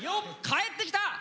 帰ってきた！